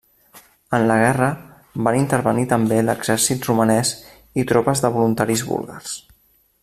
En la guerra, van intervenir també l'exèrcit romanès i tropes de voluntaris búlgars.